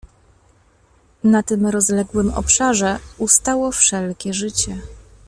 "Na tym rozległym obszarze ustało wszelkie życie."